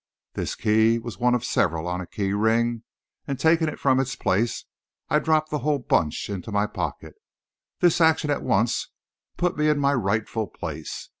This key was one of several on a key ring, and, taking it from its place, I dropped the whole bunch in my pocket. This action at once put me in my rightful place.